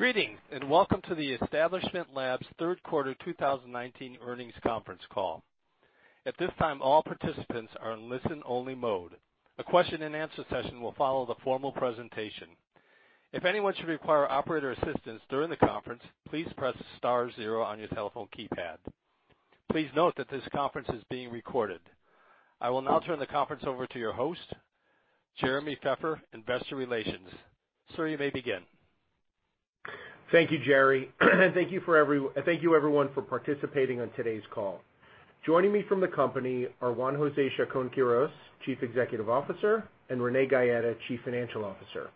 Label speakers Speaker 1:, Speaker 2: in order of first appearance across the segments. Speaker 1: Greetings, and welcome to the Establishment Labs third quarter 2019 earnings conference call. At this time, all participants are in listen-only mode. A question and answer session will follow the formal presentation. If anyone should require operator assistance during the conference, please press star 0 on your telephone keypad. Please note that this conference is being recorded. I will now turn the conference over to your host, Jeremy Feffer, Investor Relations. Sir, you may begin.
Speaker 2: Thank you, Jerry. Thank you, everyone, for participating on today's call. Joining me from the company are Juan José Chacón-Quirós, Chief Executive Officer, and Renee Gaeta, Chief Financial Officer.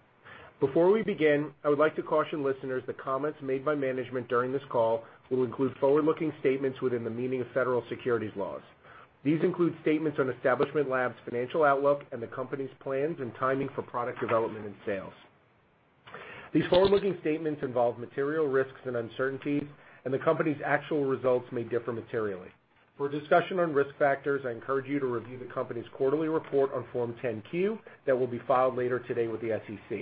Speaker 2: Before we begin, I would like to caution listeners that comments made by management during this call will include forward-looking statements within the meaning of federal securities laws. These include statements on Establishment Labs' financial outlook and the company's plans and timing for product development and sales. These forward-looking statements involve material risks and uncertainties, and the company's actual results may differ materially. For a discussion on risk factors, I encourage you to review the company's quarterly report on Form 10-Q that will be filed later today with the SEC.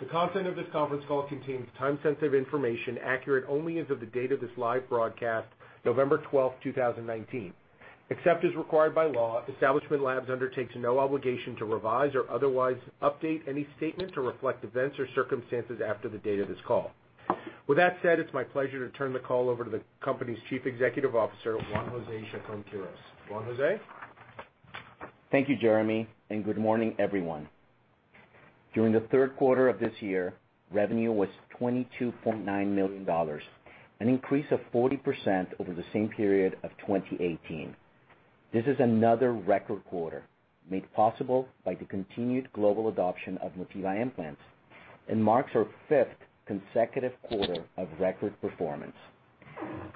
Speaker 2: The content of this conference call contains time-sensitive information accurate only as of the date of this live broadcast, November 12, 2019. Except as required by law, Establishment Labs undertakes no obligation to revise or otherwise update any statement to reflect events or circumstances after the date of this call. With that said, it's my pleasure to turn the call over to the company's Chief Executive Officer, Juan José Chacón-Quirós. Juan José?
Speaker 3: Thank you, Jeremy, and good morning, everyone. During the third quarter of this year, revenue was $22.9 million, an increase of 40% over the same period of 2018. This is another record quarter made possible by the continued global adoption of Motiva Implants and marks our fifth consecutive quarter of record performance.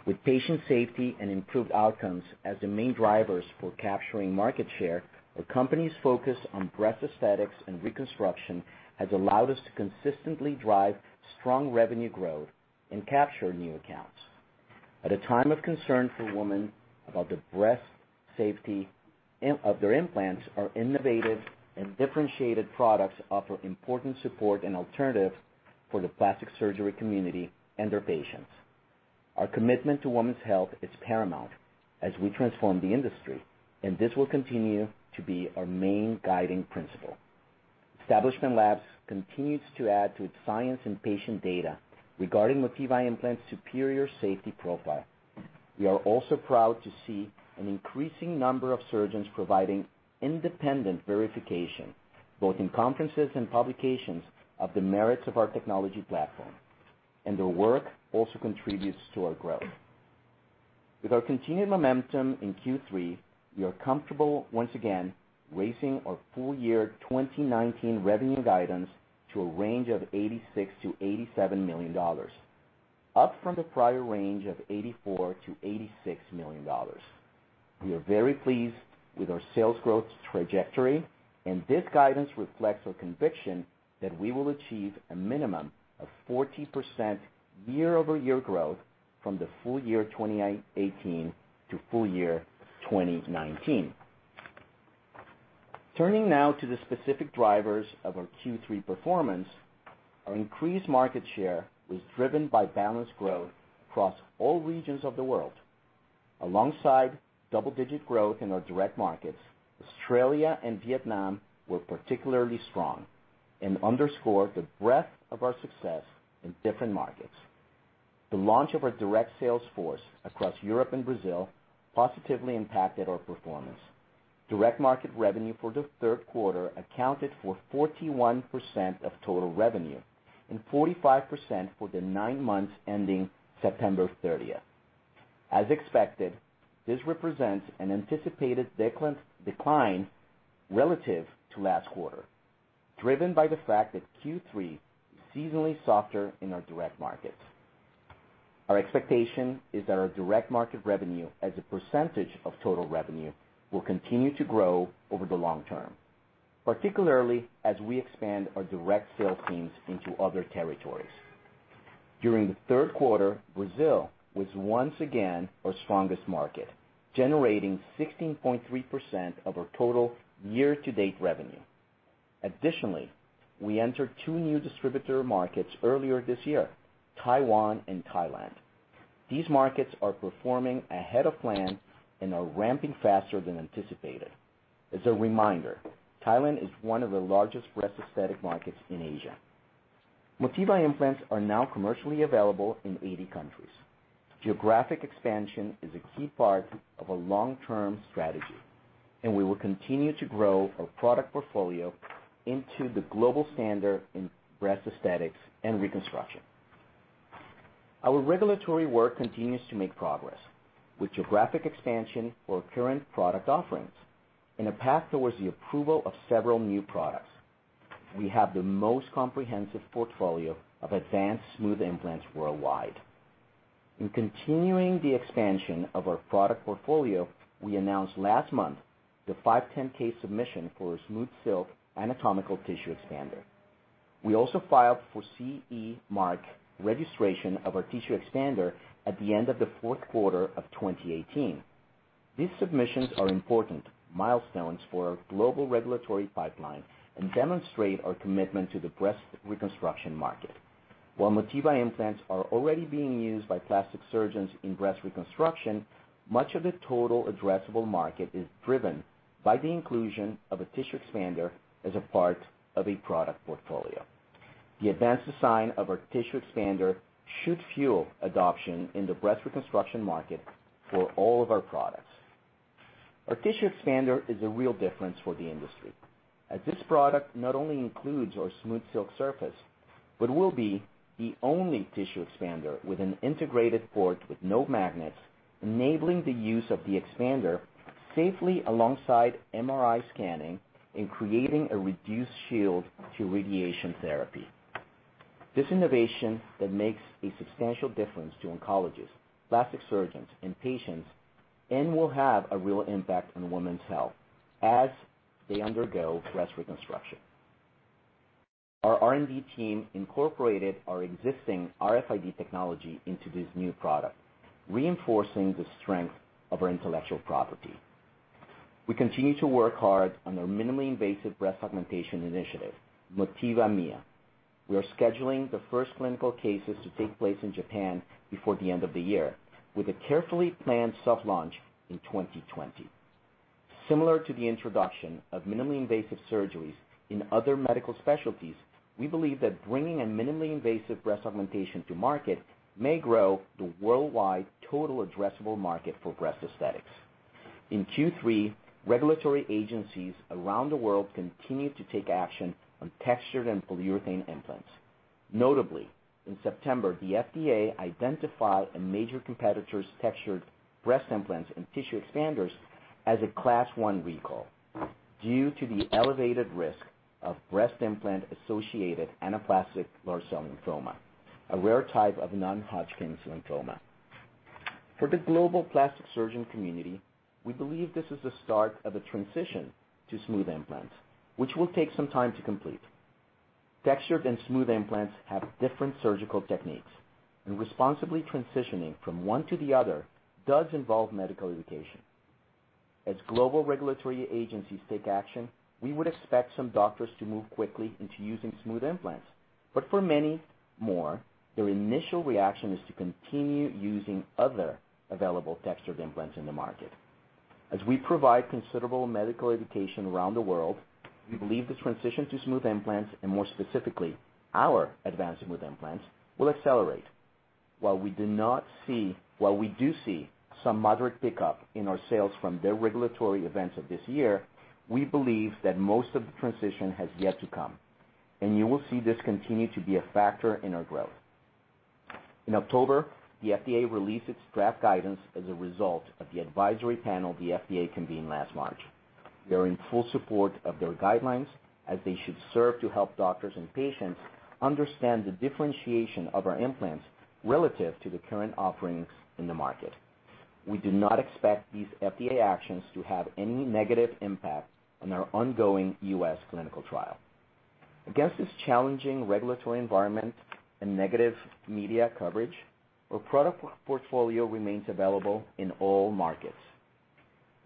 Speaker 3: With patient safety and improved outcomes as the main drivers for capturing market share, our company's focus on breast aesthetics and reconstruction has allowed us to consistently drive strong revenue growth and capture new accounts. At a time of concern for women about the breast safety of their implants, our innovative and differentiated products offer important support and alternatives for the plastic surgery community and their patients. Our commitment to women's health is paramount as we transform the industry, and this will continue to be our main guiding principle. Establishment Labs continues to add to its science and patient data regarding Motiva implant's superior safety profile. We are also proud to see an increasing number of surgeons providing independent verification, both in conferences and publications, of the merits of our technology platform, and their work also contributes to our growth. With our continued momentum in Q3, we are comfortable once again raising our full year 2019 revenue guidance to a range of $86 million-$87 million, up from the prior range of $84 million-$86 million. We are very pleased with our sales growth trajectory, and this guidance reflects our conviction that we will achieve a minimum of 40% year-over-year growth from the full year 2018 to full year 2019. Turning now to the specific drivers of our Q3 performance, our increased market share was driven by balanced growth across all regions of the world. Alongside double-digit growth in our direct markets, Australia and Vietnam were particularly strong and underscore the breadth of our success in different markets. The launch of our direct sales force across Europe and Brazil positively impacted our performance. Direct market revenue for the third quarter accounted for 41% of total revenue and 45% for the nine months ending September 30th. As expected, this represents an anticipated decline relative to last quarter, driven by the fact that Q3 is seasonally softer in our direct markets. Our expectation is that our direct market revenue as a percentage of total revenue will continue to grow over the long term, particularly as we expand our direct sales teams into other territories. During the third quarter, Brazil was once again our strongest market, generating 16.3% of our total year-to-date revenue. Additionally, we entered two new distributor markets earlier this year: Taiwan and Thailand. These markets are performing ahead of plan and are ramping faster than anticipated. As a reminder, Thailand is one of the largest breast aesthetic markets in Asia. Motiva Implants are now commercially available in 80 countries. Geographic expansion is a key part of a long-term strategy, and we will continue to grow our product portfolio into the global standard in breast aesthetics and reconstruction. Our regulatory work continues to make progress with geographic expansion for our current product offerings and a path towards the approval of several new products. We have the most comprehensive portfolio of advanced smooth implants worldwide. In continuing the expansion of our product portfolio, we announced last month the 510(k) submission for our SmoothSilk anatomical tissue expander. We also filed for CE mark registration of our tissue expander at the end of the fourth quarter of 2018. These submissions are important milestones for our global regulatory pipeline and demonstrate our commitment to the breast reconstruction market. While Motiva Implants are already being used by plastic surgeons in breast reconstruction, much of the total addressable market is driven by the inclusion of a tissue expander as a part of a product portfolio. The advanced design of our tissue expander should fuel adoption in the breast reconstruction market for all of our products. Our tissue expander is a real difference for the industry, as this product not only includes our SmoothSilk surface, but will be the only tissue expander with an integrated port with no magnets, enabling the use of the expander safely alongside MRI scanning and creating a reduced shield to radiation therapy. This innovation that makes a substantial difference to oncologists, plastic surgeons, and patients, and will have a real impact on women's health as they undergo breast reconstruction. Our R&D team incorporated our existing RFID technology into this new product, reinforcing the strength of our intellectual property. We continue to work hard on our minimally invasive breast augmentation initiative, Motiva MIA. We are scheduling the first clinical cases to take place in Japan before the end of the year, with a carefully planned soft launch in 2020. Similar to the introduction of minimally invasive surgeries in other medical specialties, we believe that bringing a minimally invasive breast augmentation to market may grow the worldwide total addressable market for breast aesthetics. In Q3, regulatory agencies around the world continued to take action on textured and polyurethane implants. Notably, in September, the FDA identified a major competitor's textured breast implants and tissue expanders as a Class I recall due to the elevated risk of breast implant-associated anaplastic large cell lymphoma, a rare type of non-Hodgkin's lymphoma. For the global plastic surgeon community, we believe this is the start of a transition to smooth implants, which will take some time to complete. Textured and smooth implants have different surgical techniques, and responsibly transitioning from one to the other does involve medical education. As global regulatory agencies take action, we would expect some doctors to move quickly into using smooth implants. For many more, their initial reaction is to continue using other available textured implants in the market. As we provide considerable medical education around the world, we believe the transition to smooth implants, and more specifically, our advanced smooth implants, will accelerate. While we do see some moderate pickup in our sales from the regulatory events of this year, we believe that most of the transition has yet to come, and you will see this continue to be a factor in our growth. In October, the FDA released its draft guidance as a result of the advisory panel the FDA convened last March. We are in full support of their guidelines, as they should serve to help doctors and patients understand the differentiation of our implants relative to the current offerings in the market. We do not expect these FDA actions to have any negative impact on our ongoing U.S. clinical trial. Against this challenging regulatory environment and negative media coverage, our product portfolio remains available in all markets.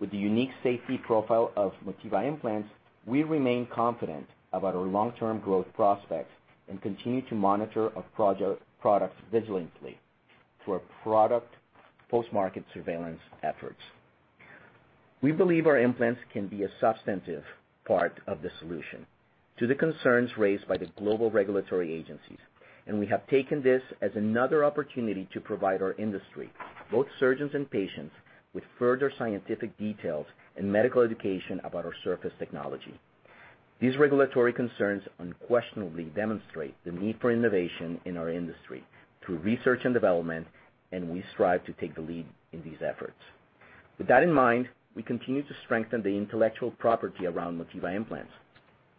Speaker 3: With the unique safety profile of Motiva Implants, we remain confident about our long-term growth prospects and continue to monitor our products vigilantly through our product post-market surveillance efforts. We believe our implants can be a substantive part of the solution to the concerns raised by the global regulatory agencies, and we have taken this as another opportunity to provide our industry, both surgeons and patients, with further scientific details and medical education about our surface technology. These regulatory concerns unquestionably demonstrate the need for innovation in our industry through research and development, and we strive to take the lead in these efforts. With that in mind, we continue to strengthen the intellectual property around Motiva Implants.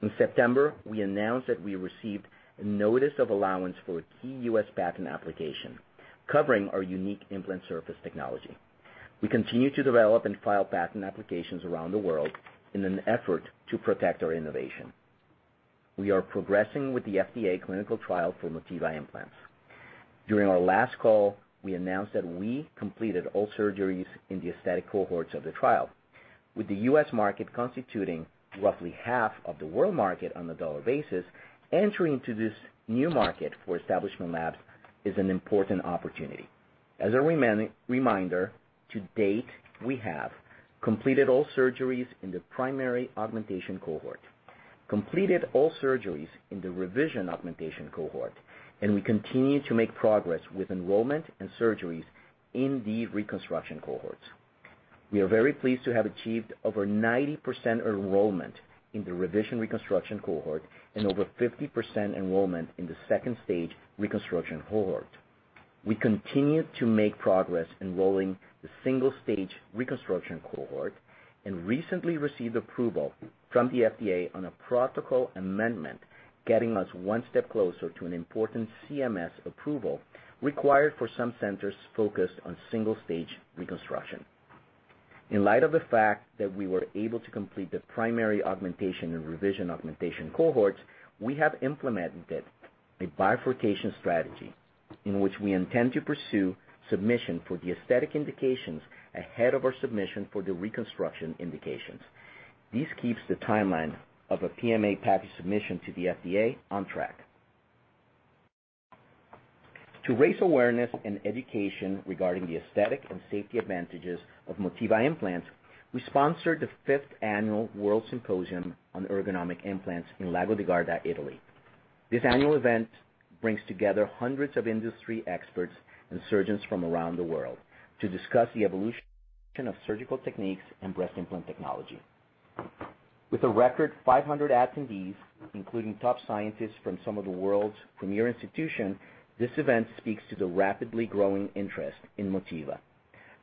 Speaker 3: In September, we announced that we received a notice of allowance for a key U.S. patent application covering our unique implant surface technology. We continue to develop and file patent applications around the world in an effort to protect our innovation. We are progressing with the FDA clinical trial for Motiva implants. During our last call, we announced that we completed all surgeries in the aesthetic cohorts of the trial. With the U.S. market constituting roughly half of the world market on a dollar basis, entering to this new market for Establishment Labs is an important opportunity. As a reminder, to date, we have completed all surgeries in the primary augmentation cohort, completed all surgeries in the revision augmentation cohort, and we continue to make progress with enrollment and surgeries in the reconstruction cohorts. We are very pleased to have achieved over 90% enrollment in the revision reconstruction cohort and over 50% enrollment in the 2-stage reconstruction cohort. We continue to make progress enrolling the single-stage reconstruction cohort and recently received approval from the FDA on a protocol amendment, getting us one step closer to an important CMS approval required for some centers focused on single-stage reconstruction. In light of the fact that we were able to complete the primary augmentation and revision augmentation cohorts, we have implemented a bifurcation strategy in which we intend to pursue submission for the aesthetic indications ahead of our submission for the reconstruction indications. This keeps the timeline of a PMA package submission to the FDA on track. To raise awareness and education regarding the aesthetic and safety advantages of Motiva implants, we sponsored the fifth annual World Symposium on Ergonomic Implants in Lago di Garda, Italy. This annual event brings together hundreds of industry experts and surgeons from around the world to discuss the evolution of surgical techniques and breast implant technology. With a record 500 attendees, including top scientists from some of the world's premier institution, this event speaks to the rapidly growing interest in Motiva.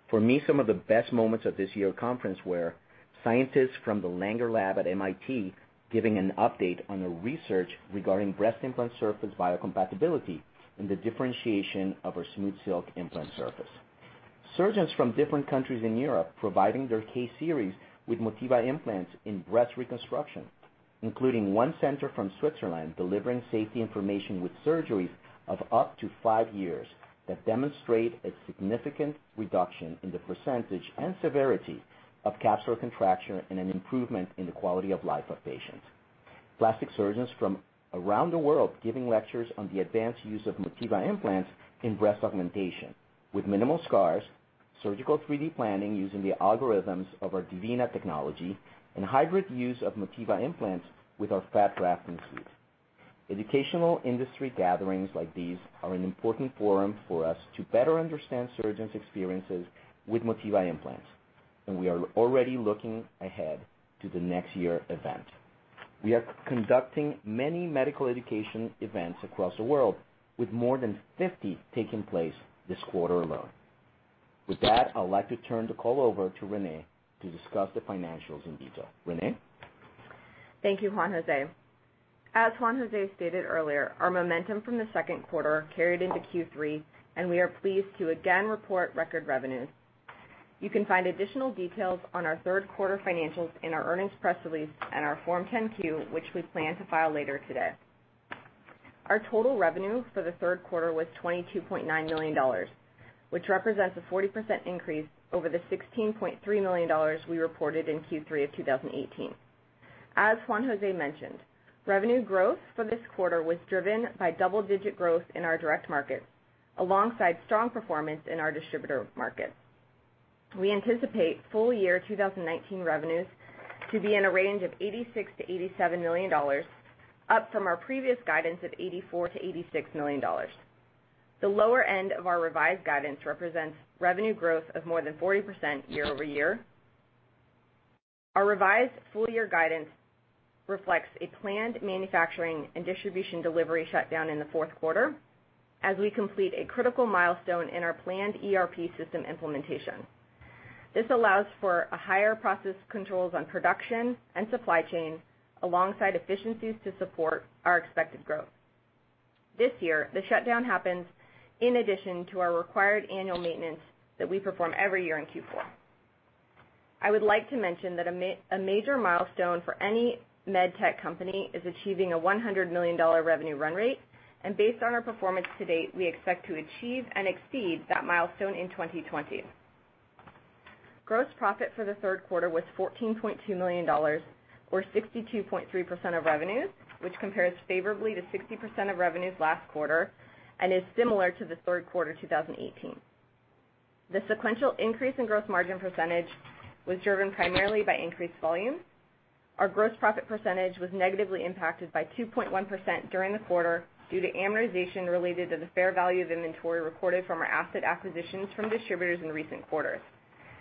Speaker 3: For me, some of the best moments of this year's conference were scientists from the Langer Lab at MIT giving an update on the research regarding breast implant surface biocompatibility and the differentiation of our SmoothSilk implant surface. Surgeons from different countries in Europe providing their case series with Motiva Implants in breast reconstruction, including one center from Switzerland delivering safety information with surgeries of up to five years that demonstrate a significant reduction in the % and severity of capsular contracture and an improvement in the quality of life of patients. Plastic surgeons from around the world giving lectures on the advanced use of Motiva Implants in breast augmentation with minimal scars, surgical 3D planning using the algorithms of our Divina technology, and hybrid use of Motiva Implants with our fat grafting suite. Educational industry gatherings like these are an important forum for us to better understand surgeons' experiences with Motiva Implants, and we are already looking ahead to the next year event. We are conducting many medical education events across the world with more than 50 taking place this quarter alone. With that, I would like to turn the call over to Renee to discuss the financials in detail. Renee?
Speaker 4: Thank you, Juan José. As Juan José stated earlier, our momentum from the second quarter carried into Q3, and we are pleased to again report record revenues. You can find additional details on our third quarter financials in our earnings press release and our Form 10-Q, which we plan to file later today. Our total revenue for the third quarter was $22.9 million, which represents a 40% increase over the $16.3 million we reported in Q3 of 2018. As Juan José mentioned, revenue growth for this quarter was driven by double-digit growth in our direct markets, alongside strong performance in our distributor markets. We anticipate full year 2019 revenues to be in a range of $86 million-$87 million, up from our previous guidance of $84 million-$86 million. The lower end of our revised guidance represents revenue growth of more than 40% year-over-year. Our revised full year guidance reflects a planned manufacturing and distribution delivery shutdown in the fourth quarter as we complete a critical milestone in our planned ERP system implementation. This allows for a higher process controls on production and supply chain alongside efficiencies to support our expected growth. This year, the shutdown happens in addition to our required annual maintenance that we perform every year in Q4. I would like to mention that a major milestone for any med tech company is achieving a $100 million revenue run rate, and based on our performance to date, we expect to achieve and exceed that milestone in 2020. Gross profit for the third quarter was $14.2 million, or 62.3% of revenues, which compares favorably to 60% of revenues last quarter and is similar to the third quarter 2018. The sequential increase in gross margin percentage was driven primarily by increased volume. Our gross profit percentage was negatively impacted by 2.1% during the quarter due to amortization related to the fair value of inventory recorded from our asset acquisitions from distributors in recent quarters.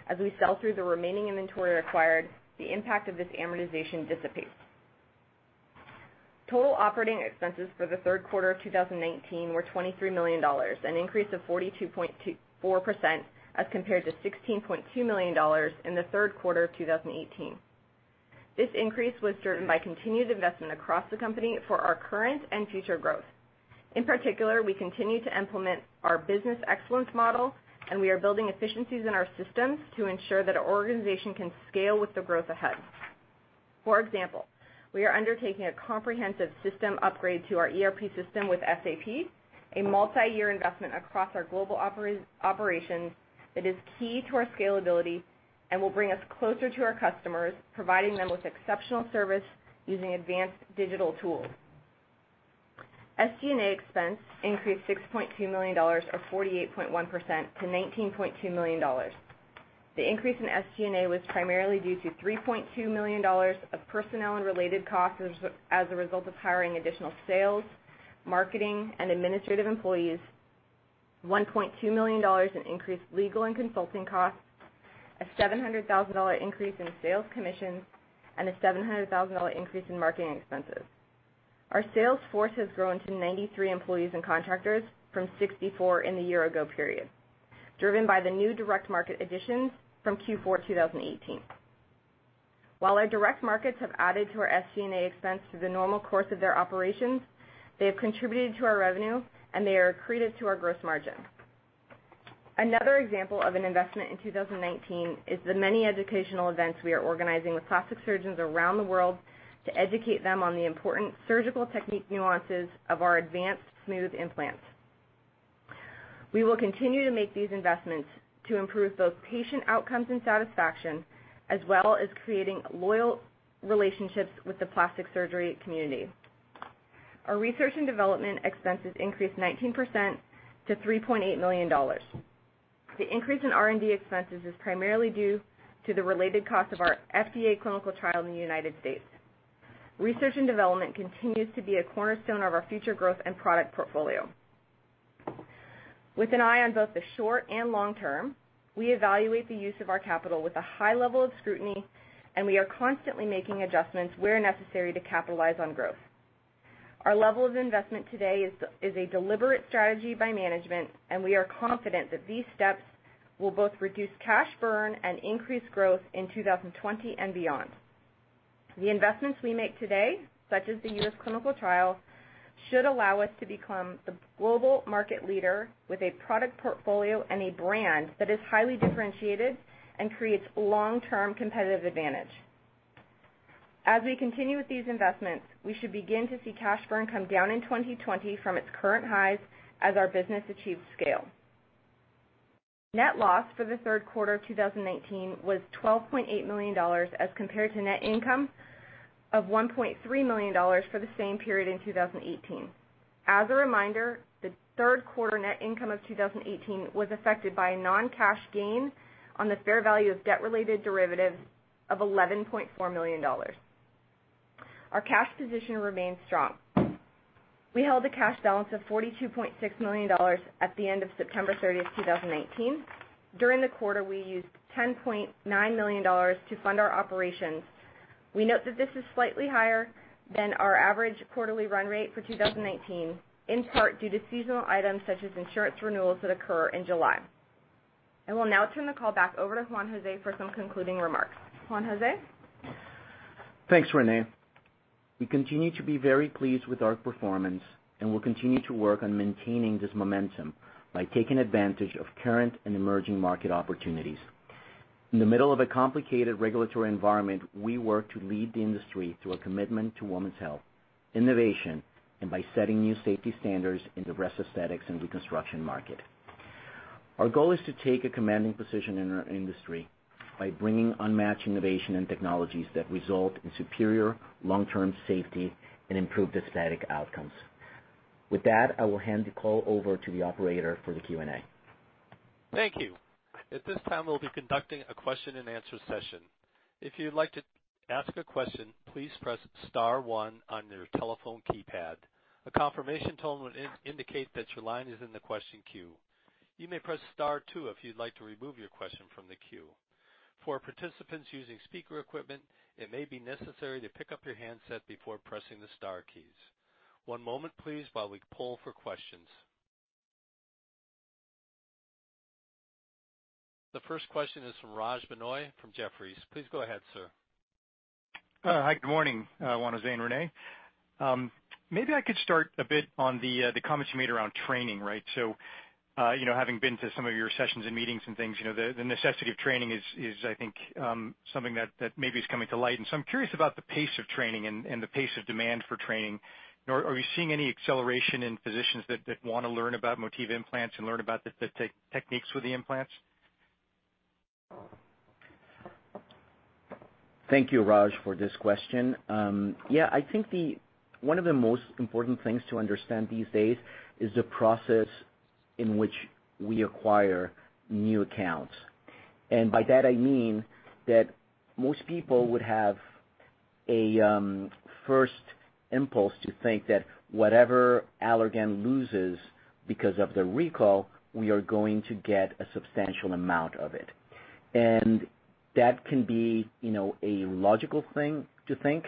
Speaker 4: As we sell through the remaining inventory acquired, the impact of this amortization dissipates. Total operating expenses for the third quarter of 2019 were $23 million, an increase of 42.4% as compared to $16.2 million in the third quarter of 2018. This increase was driven by continued investment across the company for our current and future growth. In particular, we continue to implement our business excellence model, and we are building efficiencies in our systems to ensure that our organization can scale with the growth ahead. For example, we are undertaking a comprehensive system upgrade to our ERP system with SAP, a multi-year investment across our global operations that is key to our scalability and will bring us closer to our customers, providing them with exceptional service using advanced digital tools. SG&A expense increased $6.2 million, or 48.1%, to $19.2 million. The increase in SG&A was primarily due to $3.2 million of personnel and related costs as a result of hiring additional sales, marketing, and administrative employees, $1.2 million in increased legal and consulting costs, a $700,000 increase in sales commissions, and a $700,000 increase in marketing expenses. Our sales force has grown to 93 employees and contractors from 64 in the year ago period, driven by the new direct market additions from Q4 2018. While our direct markets have added to our SG&A expense through the normal course of their operations, they have contributed to our revenue, and they are accretive to our gross margin. Another example of an investment in 2019 is the many educational events we are organizing with plastic surgeons around the world to educate them on the important surgical technique nuances of our advanced smooth implants. We will continue to make these investments to improve both patient outcomes and satisfaction, as well as creating loyal relationships with the plastic surgery community. Our research and development expenses increased 19% to $3.8 million. The increase in R&D expenses is primarily due to the related cost of our FDA clinical trial in the U.S. Research and development continues to be a cornerstone of our future growth and product portfolio. With an eye on both the short and long term, we evaluate the use of our capital with a high level of scrutiny. We are constantly making adjustments where necessary to capitalize on growth. Our level of investment today is a deliberate strategy by management. We are confident that these steps will both reduce cash burn and increase growth in 2020 and beyond. The investments we make today, such as the U.S. clinical trial, should allow us to become the global market leader with a product portfolio and a brand that is highly differentiated and creates long-term competitive advantage. As we continue with these investments, we should begin to see cash burn come down in 2020 from its current highs as our business achieves scale. Net loss for the third quarter of 2019 was $12.8 million as compared to net income of $1.3 million for the same period in 2018. As a reminder, the third quarter net income of 2018 was affected by a non-cash gain on the fair value of debt-related derivatives of $11.4 million. Our cash position remains strong. We held a cash balance of $42.6 million at the end of September 30th, 2019. During the quarter, we used $10.9 million to fund our operations. We note that this is slightly higher than our average quarterly run rate for 2019, in part due to seasonal items such as insurance renewals that occur in July. I will now turn the call back over to Juan José for some concluding remarks. Juan José?
Speaker 3: Thanks, Renee. We continue to be very pleased with our performance and will continue to work on maintaining this momentum by taking advantage of current and emerging market opportunities. In the middle of a complicated regulatory environment, we work to lead the industry through a commitment to women's health, innovation, and by setting new safety standards in the breast aesthetics and reconstruction market. Our goal is to take a commanding position in our industry by bringing unmatched innovation and technologies that result in superior long-term safety and improved aesthetic outcomes. With that, I will hand the call over to the operator for the Q&A.
Speaker 1: Thank you. At this time, we'll be conducting a question and answer session. If you'd like to ask a question, please press *1 on your telephone keypad. A confirmation tone will indicate that your line is in the question queue. You may press *2 if you'd like to remove your question from the queue. For participants using speaker equipment, it may be necessary to pick up your handset before pressing the star keys. One moment, please, while we pull for questions. The first question is from Raj Denhoy from Jefferies. Please go ahead, sir.
Speaker 5: Hi, good morning, Juan José and Renee. Maybe I could start a bit on the comments you made around training, right? Having been to some of your sessions and meetings and things, the necessity of training is, I think, something that maybe is coming to light. I'm curious about the pace of training and the pace of demand for training. Are you seeing any acceleration in physicians that want to learn about Motiva Implants and learn about the techniques with the implants?
Speaker 3: Thank you, Raj, for this question. Yeah, I think one of the most important things to understand these days is the process in which we acquire new accounts. By that I mean that most people would have a first impulse to think that whatever Allergan loses because of the recall, we are going to get a substantial amount of it. That can be a logical thing to think.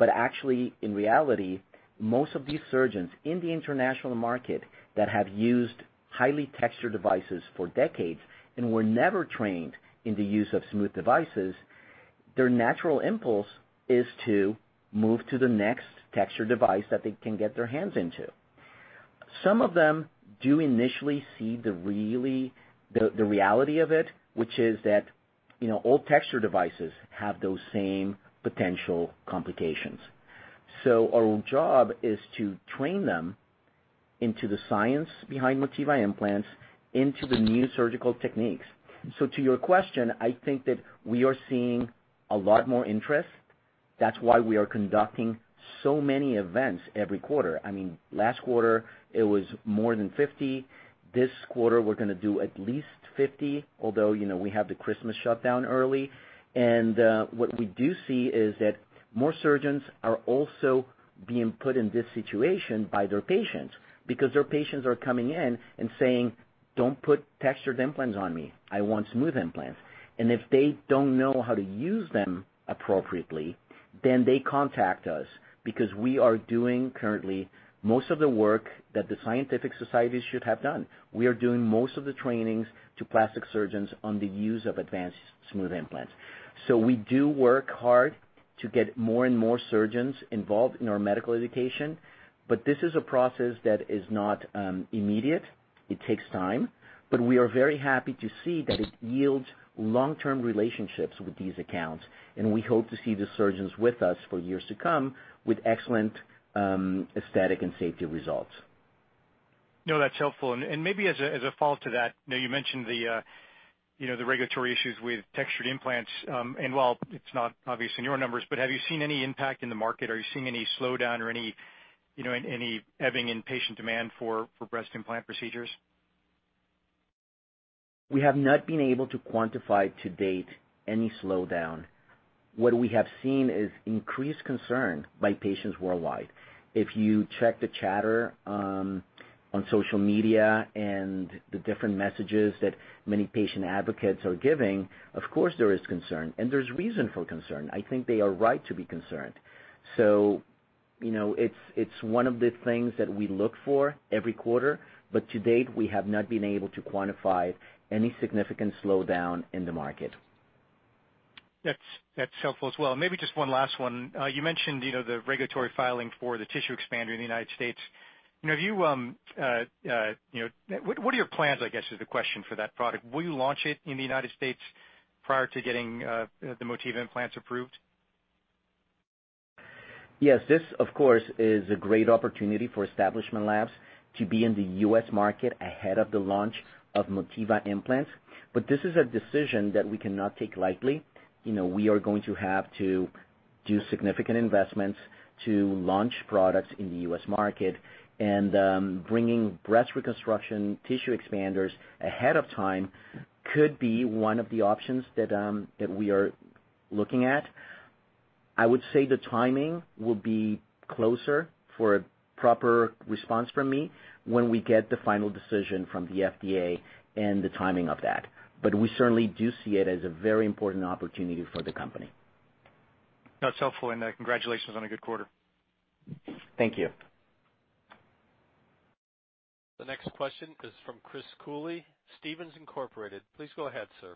Speaker 3: Actually, in reality, most of these surgeons in the international market that have used highly textured devices for decades and were never trained in the use of smooth devices, their natural impulse is to move to the next textured device that they can get their hands into. Some of them do initially see the reality of it, which is that all textured devices have those same potential complications. Our job is to train them into the science behind Motiva Implants, into the new surgical techniques. To your question, I think that we are seeing a lot more interest. That's why we are conducting so many events every quarter. Last quarter it was more than 50. This quarter we're going to do at least 50, although we have the Christmas shutdown early. What we do see is that more surgeons are also being put in this situation by their patients because their patients are coming in and saying, "Don't put textured implants on me. I want smooth implants." If they don't know how to use them appropriately, then they contact us because we are doing currently most of the work that the scientific societies should have done. We are doing most of the trainings to plastic surgeons on the use of advanced smooth implants. We do work hard to get more and more surgeons involved in our medical education. This is a process that is not immediate. It takes time. We are very happy to see that it yields long-term relationships with these accounts, and we hope to see the surgeons with us for years to come with excellent aesthetic and safety results.
Speaker 5: No, that's helpful. Maybe as a follow-up to that, you mentioned the regulatory issues with textured implants. While it's not obvious in your numbers, have you seen any impact in the market? Are you seeing any slowdown or any ebbing in patient demand for breast implant procedures?
Speaker 3: We have not been able to quantify to date any slowdown. What we have seen is increased concern by patients worldwide. If you check the chatter on social media and the different messages that many patient advocates are giving, of course, there is concern and there's reason for concern. I think they are right to be concerned. It's one of the things that we look for every quarter, but to date, we have not been able to quantify any significant slowdown in the market.
Speaker 5: That's helpful as well. Maybe just one last one. You mentioned the regulatory filing for the tissue expander in the U.S. What are your plans, I guess, is the question for that product. Will you launch it in the U.S. prior to getting the Motiva Implants approved?
Speaker 3: Yes. This, of course, is a great opportunity for Establishment Labs to be in the U.S. market ahead of the launch of Motiva Implants. This is a decision that we cannot take lightly. We are going to have to do significant investments to launch products in the U.S. market and bringing breast reconstruction tissue expanders ahead of time could be one of the options that we are looking at. I would say the timing will be closer for a proper response from me when we get the final decision from the FDA and the timing of that. We certainly do see it as a very important opportunity for the company.
Speaker 5: That's helpful. Congratulations on a good quarter.
Speaker 3: Thank you.
Speaker 1: The next question is from Chris Cooley, Stephens Inc. Please go ahead, sir.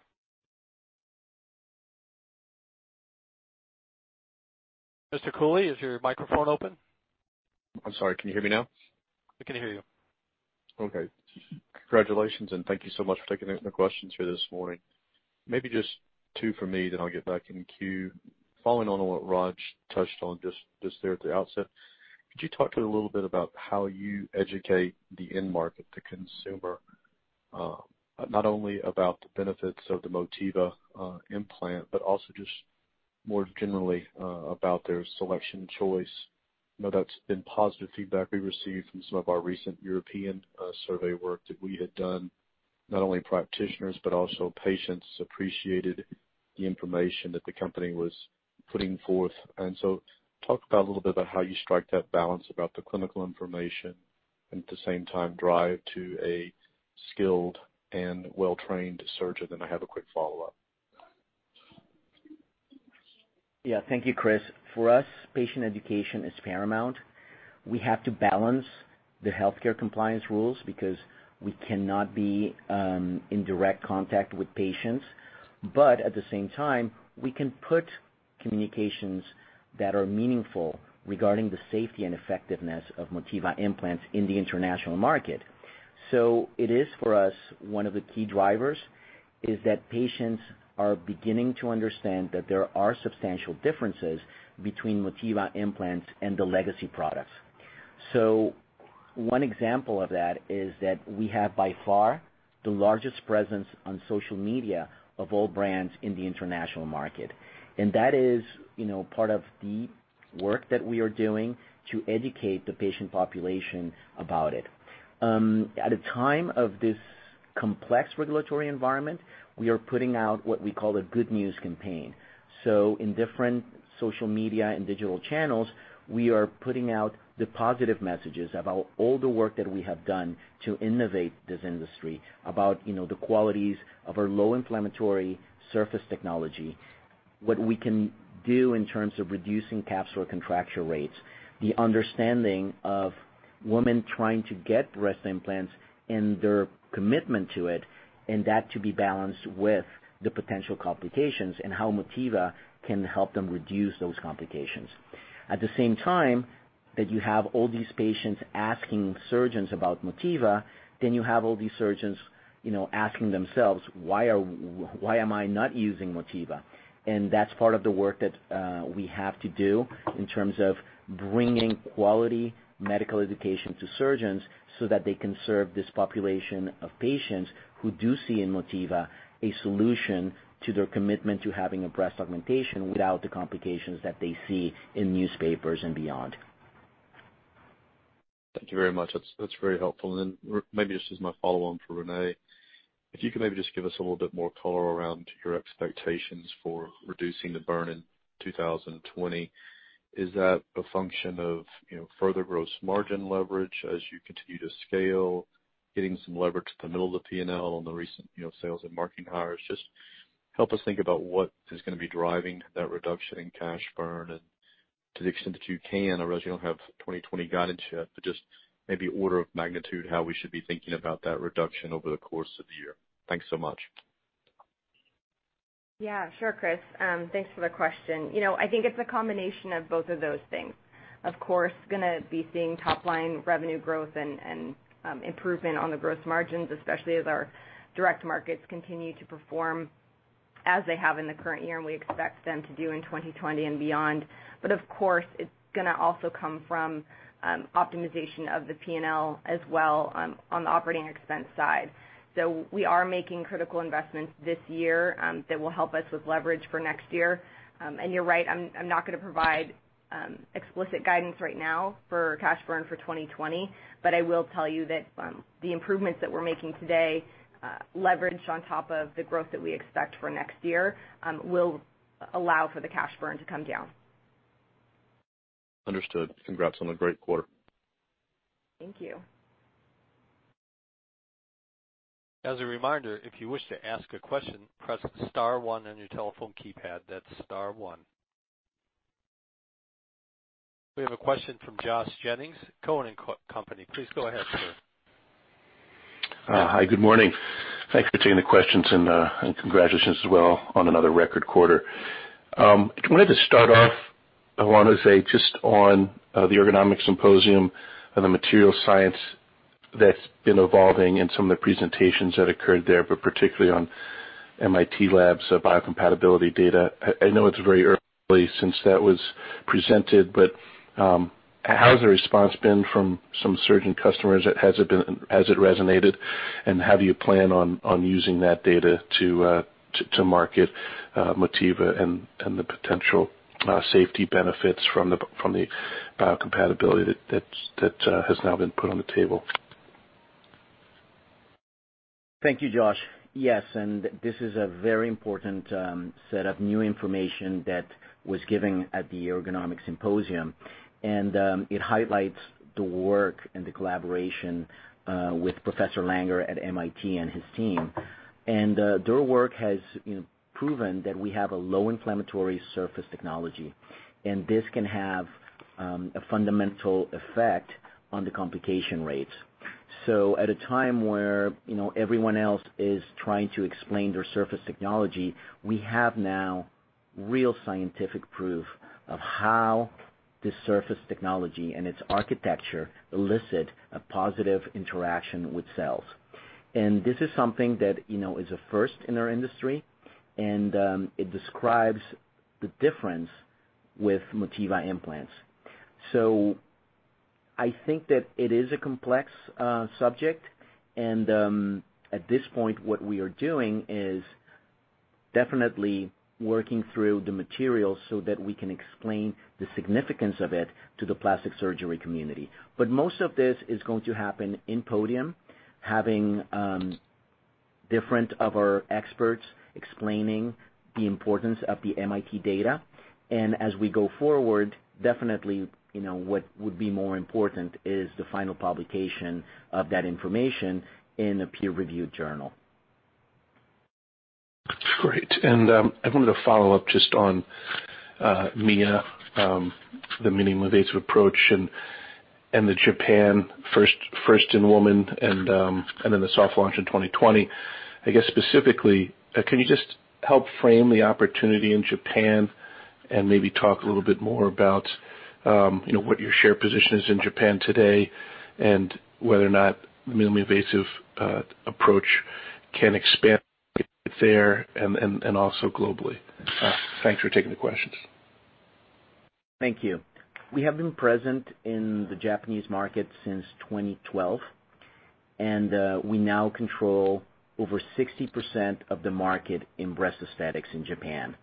Speaker 1: Mr. Cooley, is your microphone open?
Speaker 6: I'm sorry. Can you hear me now?
Speaker 1: I can hear you.
Speaker 6: Okay. Congratulations, and thank you so much for taking the questions here this morning. Maybe just two from me, then I'll get back in queue. Following on what Raj touched on just there at the outset, could you talk a little bit about how you educate the end market, the consumer, not only about the benefits of the Motiva implant, but also just more generally, about their selection choice? That's been positive feedback we received from some of our recent European survey work that we had done. Not only practitioners, but also patients appreciated the information that the company was putting forth. Talk a little bit about how you strike that balance about the clinical information and at the same time, drive to a skilled and well-trained surgeon. I have a quick follow-up.
Speaker 3: Yeah. Thank you, Chris. For us, patient education is paramount. We have to balance the healthcare compliance rules because we cannot be in direct contact with patients. At the same time, we can put communications that are meaningful regarding the safety and effectiveness of Motiva Implants in the international market. It is, for us, one of the key drivers is that patients are beginning to understand that there are substantial differences between Motiva Implants and the legacy products. One example of that is that we have, by far, the largest presence on social media of all brands in the international market. That is part of the work that we are doing to educate the patient population about it. At a time of this complex regulatory environment, we are putting out what we call a good news campaign. In different social media and digital channels, we are putting out the positive messages about all the work that we have done to innovate this industry, about the qualities of our low inflammatory surface technology, what we can do in terms of reducing capsular contracture rates, the understanding of women trying to get breast implants and their commitment to it, and that to be balanced with the potential complications and how Motiva can help them reduce those complications. At the same time that you have all these patients asking surgeons about Motiva, then you have all these surgeons asking themselves, "Why am I not using Motiva?" That's part of the work that we have to do in terms of bringing quality medical education to surgeons so that they can serve this population of patients who do see in Motiva a solution to their commitment to having a breast augmentation without the complications that they see in newspapers and beyond.
Speaker 6: Thank you very much. That's very helpful. Maybe this is my follow-on for Renee. If you could maybe just give us a little bit more color around your expectations for reducing the burn in 2020. Is that a function of further gross margin leverage as you continue to scale, getting some leverage at the middle of the P&L on the recent sales and marketing hires? Just help us think about what is going to be driving that reduction in cash burn and to the extent that you can, I realize you don't have 2020 guidance yet, but just maybe order of magnitude how we should be thinking about that reduction over the course of the year. Thanks so much.
Speaker 4: Yeah. Sure, Chris. Thanks for the question. I think it's a combination of both of those things. Of course, going to be seeing top-line revenue growth and improvement on the gross margins, especially as our direct markets continue to perform as they have in the current year, and we expect them to do in 2020 and beyond. Of course, it's going to also come from optimization of the P&L as well on the operating expense side. We are making critical investments this year that will help us with leverage for next year. You're right, I'm not going to provide explicit guidance right now for cash burn for 2020. I will tell you that the improvements that we're making today, leveraged on top of the growth that we expect for next year, will allow for the cash burn to come down.
Speaker 6: Understood. Congrats on a great quarter.
Speaker 4: Thank you.
Speaker 1: As a reminder, if you wish to ask a question, press *1 on your telephone keypad. That's *1. We have a question from Josh Jennings, Cowen and Company. Please go ahead, sir.
Speaker 7: Hi, good morning. Thanks for taking the questions. Congratulations as well on another record quarter. I wanted to start off, Juan José, just on the Ergonomic Symposium and the material science that's been evolving in some of the presentations that occurred there, but particularly on MIT Labs biocompatibility data. I know it's very early since that was presented, but how has the response been from some surgeon customers? Has it resonated? How do you plan on using that data to market Motiva and the potential safety benefits from the biocompatibility that has now been put on the table?
Speaker 3: Thank you, Josh. Yes, this is a very important set of new information that was given at the Ergonomic Symposium. It highlights the work and the collaboration with Professor Langer at MIT and his team. Their work has proven that we have a low inflammatory surface technology, and this can have a fundamental effect on the complication rates. At a time where everyone else is trying to explain their surface technology, we have now real scientific proof of how this surface technology and its architecture elicit a positive interaction with cells. This is something that is a first in our industry, and it describes the difference with Motiva implants. I think that it is a complex subject, and at this point, what we are doing is definitely working through the material so that we can explain the significance of it to the plastic surgery community. Most of this is going to happen in podium, having different of our experts explaining the importance of the MIT data. As we go forward, definitely what would be more important is the final publication of that information in a peer-reviewed journal.
Speaker 7: Great. I wanted to follow up just on MIA, the minimally invasive approach, the Japan first in-woman, then the soft launch in 2020. I guess specifically, can you just help frame the opportunity in Japan and maybe talk a little bit more about what your share position is in Japan today and whether or not the minimally invasive approach can expand there and also globally? Thanks for taking the questions.
Speaker 3: Thank you. We have been present in the Japanese market since 2012, and we now control over 60% of the market in breast aesthetics in Japan.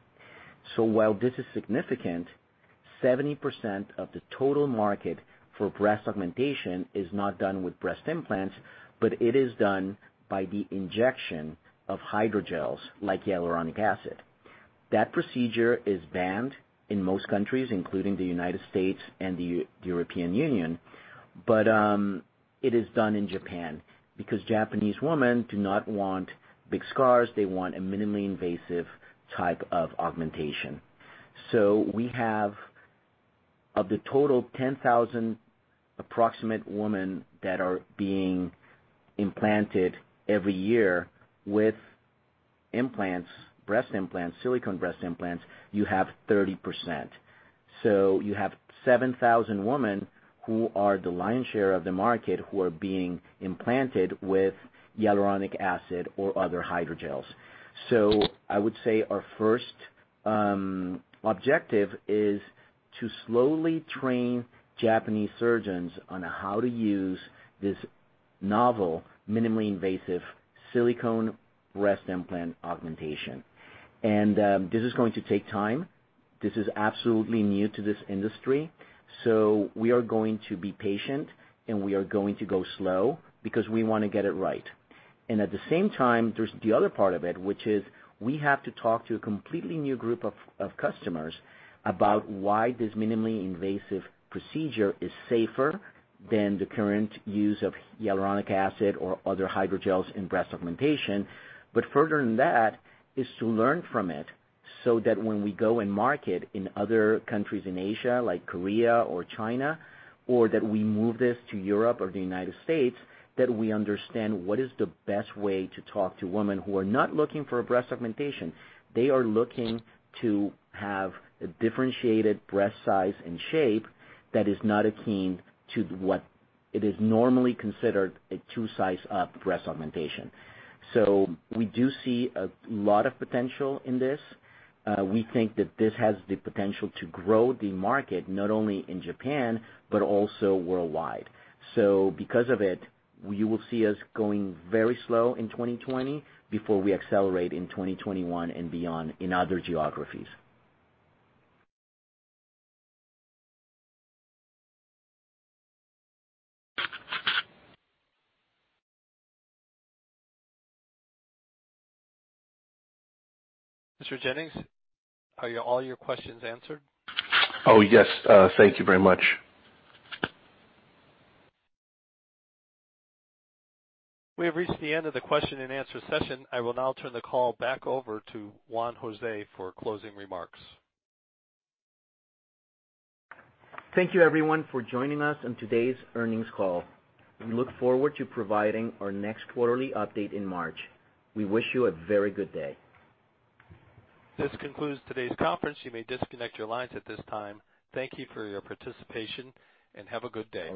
Speaker 3: While this is significant, 70% of the total market for breast augmentation is not done with breast implants, but it is done by the injection of hydrogels like hyaluronic acid. That procedure is banned in most countries, including the U.S. and the European Union. It is done in Japan because Japanese women do not want big scars. They want a minimally invasive type of augmentation. We have, of the total 10,000 approximate women that are being implanted every year with breast implants, silicone breast implants, you have 30%. You have 7,000 women who are the lion's share of the market who are being implanted with hyaluronic acid or other hydrogels. I would say our first objective is to slowly train Japanese surgeons on how to use this novel, minimally invasive silicone breast implant augmentation. This is going to take time. This is absolutely new to this industry. We are going to be patient, and we are going to go slow because we want to get it right. At the same time, there's the other part of it, which is we have to talk to a completely new group of customers about why this minimally invasive procedure is safer than the current use of hyaluronic acid or other hydrogels in breast augmentation. Further than that is to learn from it so that when we go and market in other countries in Asia, like Korea or China, or that we move this to Europe or the U.S., that we understand what is the best way to talk to women who are not looking for a breast augmentation. They are looking to have a differentiated breast size and shape that is not akin to what it is normally considered a two-size-up breast augmentation. We do see a lot of potential in this. We think that this has the potential to grow the market, not only in Japan but also worldwide. Because of it, you will see us going very slow in 2020 before we accelerate in 2021 and beyond in other geographies.
Speaker 1: Mr. Jennings, are all your questions answered?
Speaker 7: Oh, yes. Thank you very much.
Speaker 1: We have reached the end of the question and answer session. I will now turn the call back over to Juan José for closing remarks.
Speaker 3: Thank you everyone for joining us on today's earnings call. We look forward to providing our next quarterly update in March. We wish you a very good day.
Speaker 1: This concludes today's conference. You may disconnect your lines at this time. Thank you for your participation, and have a good day.